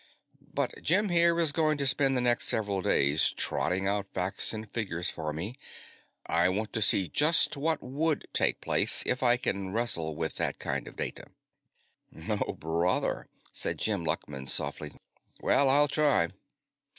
"But Jim, here, is going to spend the next several days trotting out facts and figures for me. I want to see just what would take place, if I can wrestle with that kind of data." "Oh, brother!" said Jim Luckman softly. "Well, I'll try."